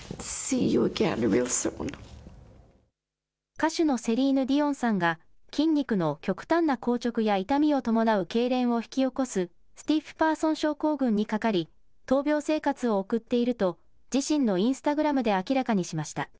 歌手のセリーヌ・ディオンさんが筋肉の極端な硬直や痛みを伴うけいれんを引き起こすスティッフパーソン症候群にかかり、闘病生活を送っていると自身のインスタグラムで明らかにしました。